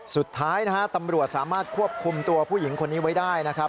สุดท้ายนะฮะตำรวจสามารถควบคุมตัวผู้หญิงคนนี้ไว้ได้นะครับ